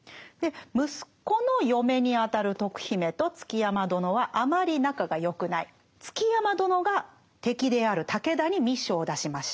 息子の嫁にあたる徳姫と築山殿はあまり仲が良くない築山殿が敵である武田に密書を出しました。